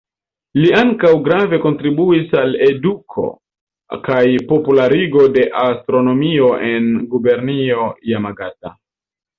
Li ankaŭ grave kontribuis al eduko kaj popularigo de astronomio en gubernio Jamagata.